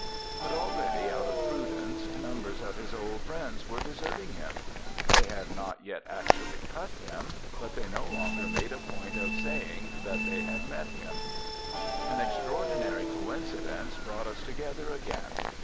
But already out of prudence numbers of his old friends were deserting him. They did not yet actually cut him, but they no longer made a point of saying they had met him. An extraordinary coincidence brought us together again.